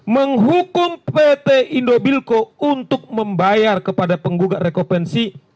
menghukum pt indobilco untuk membayar kepada penggugat rekovensi